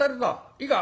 いいか？